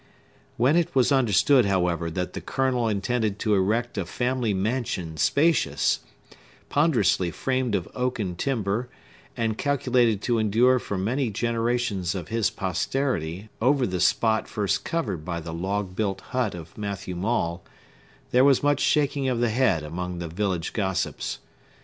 When it was understood, however, that the Colonel intended to erect a family mansion—spacious, ponderously framed of oaken timber, and calculated to endure for many generations of his posterity over the spot first covered by the log built hut of Matthew Maule, there was much shaking of the head among the village gossips.